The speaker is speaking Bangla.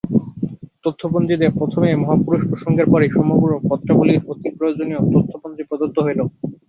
তথ্যপঞ্জীতে প্রথমে মহাপুরুষ-প্রসঙ্গের পরে সমগ্র পত্রাবলীর অতি প্রয়োজনীয় তথ্যপঞ্জী প্রদত্ত হইল।